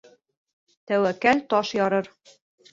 Тәүәккәл таш ярыр